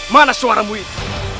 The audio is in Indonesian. mana suaramu itu